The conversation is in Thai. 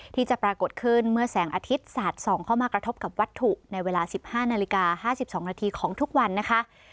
ที่จะปรากฏขึ้นเมื่อแสงอาทิตย์สาดส่องเข้ามากระทบกับวัตถุในเวลา๑๕นาฬิกา๕๒นาทีของทุกวันนะคะ